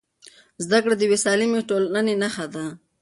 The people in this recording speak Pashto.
زده کړه د یوې سالمې ټولنې نښه ده.